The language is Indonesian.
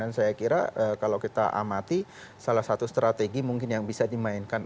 dan saya kira kalau kita amati salah satu strategi mungkin yang bisa dimainkan